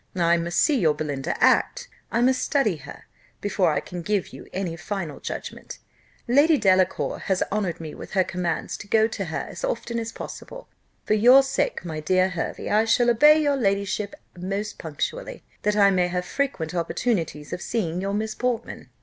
I must see your Belinda act, I must study her, before I can give you my final judgment. Lady Delacour has honoured me with her commands to go to her as often as possible. For your sake, my dear Hervey, I shall obey her ladyship most punctually, that I may have frequent opportunities of seeing your Miss Portman."